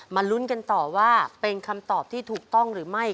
ลุ้นกันต่อว่าเป็นคำตอบที่ถูกต้องหรือไม่